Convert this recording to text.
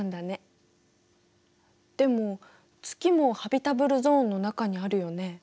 でも月もハビタブルゾーンの中にあるよね。